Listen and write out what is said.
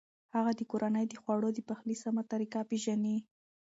هغه د کورنۍ د خوړو د پخلي سمه طریقه پېژني.